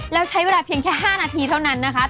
แล้วใช้เวลาเพียงแค่๕นาทีเท่านั้นนะคะ